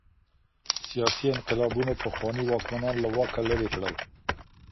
سياسي انقلابونو پخواني واکمنان له واکه ليري کړل.